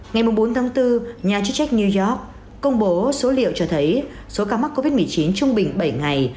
ngày bốn tháng bốn nhà chức trách new york công bố số liệu cho thấy số ca mắc covid một mươi chín trung bình bảy ngày